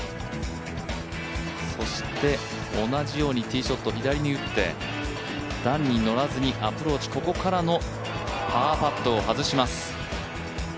そして同じようにティーショットを左に打って段に乗らずにアプローチ、ここからのパーパットを外します。